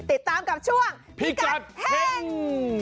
ติดตามกับช่วงพิกัดเฮ่ง